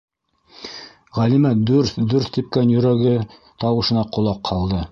Ғәлимә дөрҫ- дөрҫ типкән йөрәге тауышына ҡолаҡ һалды.